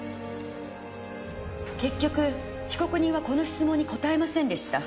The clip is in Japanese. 結局被告人はこの質問に答えませんでした。